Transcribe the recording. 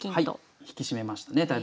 はい引き締めましたね。